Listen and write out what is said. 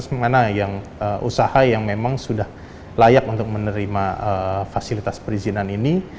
mana yang usaha yang memang sudah layak untuk menerima fasilitas perizinan ini